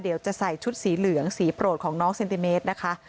เดี๋ยวจะใส่ชุดสีเหลืองสีโปรดของน้องเซนติเมตรนะคะ